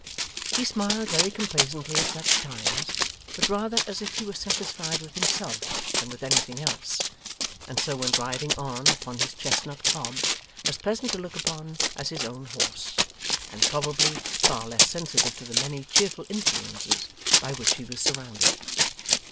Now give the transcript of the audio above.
He smiled very complacently at such times, but rather as if he were satisfied with himself than with anything else: and so went riding on, upon his chestnut cob, as pleasant to look upon as his own horse, and probably far less sensitive to the many cheerful influences by which he was surrounded.